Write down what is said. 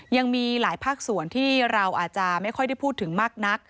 ยังมีหลายภาคส่วนที่เราอาจจะไม่ค่อยได้พูดถึงมากนัก